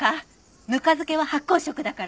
ぬか漬けは発酵食だから。